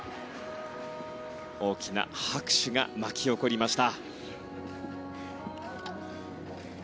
大きな拍手が巻き起こりました。